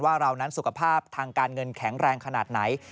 ว่าเรานั้นสุขภาพทางการเงินแข็งแรงขนาดไหน